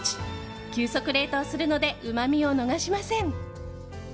急速冷凍するのでうまみを逃しません。